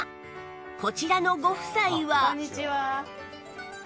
こちらのご夫妻は